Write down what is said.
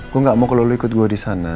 gue gak mau kalau lo ikut gue di sana